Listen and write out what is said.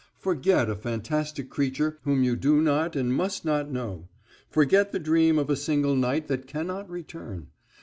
Forget a fantastic creature whom you do not and must not know; forget the dream of a single night that cannot return.